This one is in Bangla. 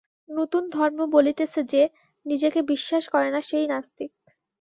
নূতন ধর্ম বলিতেছে যে নিজেকে বিশ্বাস করে না, সেই নাস্তিক।